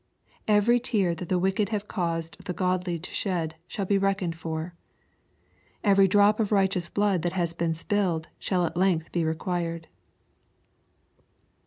Every tear that the wicked have caused the godly to shed shall be reckoned for. Every drop of righteous blood that has been spilled shall at length be required.